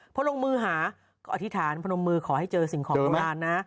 พอลงมือหาก็อธิษฐานพนมมือขอให้เจอสิ่งของโบราณนะ